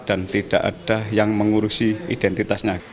dan tidak ada yang mengurusi identitasnya